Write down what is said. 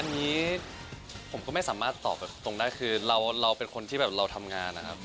อันนี้ผมก็ไม่สามารถตอบแบบตรงได้คือเราเป็นคนที่แบบเราทำงานนะครับ